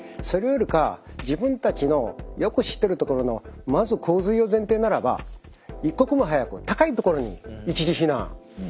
それよりか自分たちのよく知ってる所のまず洪水を前提ならば一刻も早く高い所に１次避難。